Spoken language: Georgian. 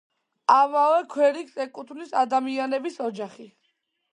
ამავე ქვერიგს ეკუთვნის ადამიანების ოჯახი.